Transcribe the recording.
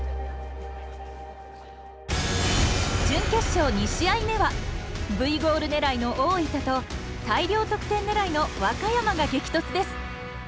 準決勝２試合目はＶゴール狙いの大分と大量得点狙いの和歌山が激突です。